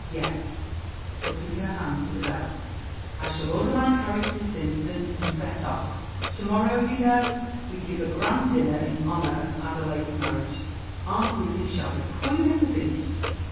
Yes" (Putting her hand to the bell), "I shall order my carriage this instant, and set off. To morrow, you know, we give a grand dinner in honour of Adelaide's marriage. Aunt Grizzy shall be queen of the feast."